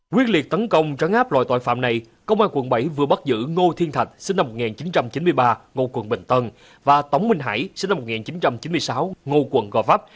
quyết liệt tấn công trắng áp loại tội phạm này công an quận bảy vừa bắt giữ ngô thiên thạch và tống minh hải